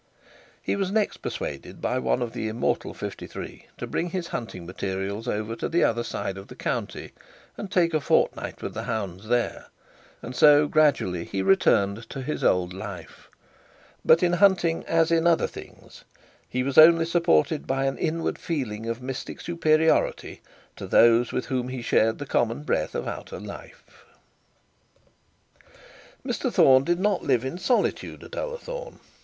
He was next persuaded, by one of the immortal fifty three, to bring his hunting materials over to the other side of the county, and take a fortnight with the hounds there; and so gradually he returned to his old life. But in hunting as in other things he was only supported by the inward feeling of mystic superiority to those with whom he shared the common breath of outer life. Mr Thorne did not live in solitude at Ullathorne.